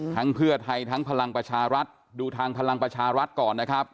เพื่อไทยทั้งพลังประชารัฐดูทางพลังประชารัฐก่อนนะครับ